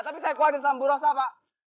tapi saya kuat dan samburosa pak